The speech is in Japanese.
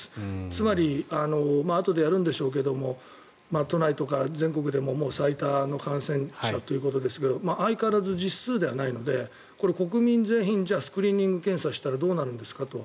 つまりあとでやるんでしょうけども都内とか全国でも、もう最多の感染者ということですが相変わらず実数ではないのでこれ、国民全員スクリーニング検査したらどうなるんですかと。